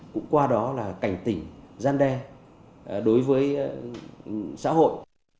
cũng qua đó là cảnh tỉnh gian đe đối với xã hội